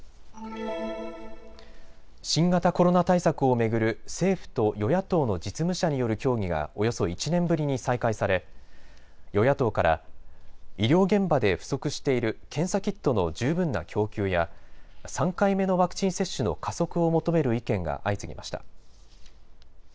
新型コロナ対策を巡る政府と与野党の実務者による協議がおよそ１年ぶりに再開され与野党から医療現場で不足している検査キットの十分な供給や３回目のワクチン接種の加速を求める意見が相次ぎました。